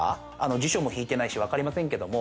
辞書も引いてないし、わかりませんけれども。